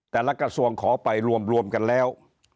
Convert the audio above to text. กระทรวงขอไปรวมกันแล้ว